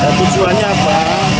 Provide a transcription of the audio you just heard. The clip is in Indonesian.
dan tujuannya apa